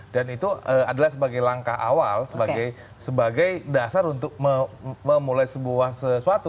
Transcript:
dan itu adalah sebagai langkah awal sebagai dasar untuk memulai sebuah sesuatu